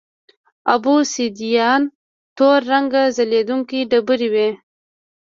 اوبسیدیان تور رنګه ځلېدونکې ډبرې وې